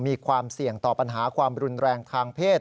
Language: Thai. มีความเสี่ยงต่อปัญหาความรุนแรงทางเพศ